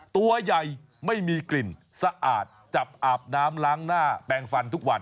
ตัวใหญ่ไม่มีกลิ่นสะอาดจับอาบน้ำล้างหน้าแปลงฟันทุกวัน